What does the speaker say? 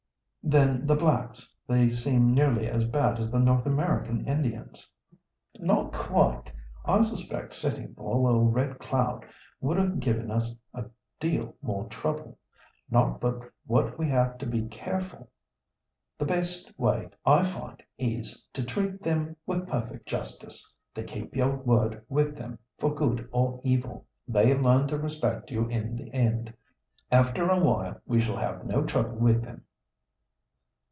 "Then the blacks; they seem nearly as bad as the North American Indians?" "Not quite. I suspect 'Sitting Bull' or 'Red Cloud' would have given us a deal more trouble. Not but what we have to be careful. The best way, I find, is to treat them with perfect justice, to keep your word with them for good or evil. They learn to respect you in the end. After a while we shall have no trouble with them."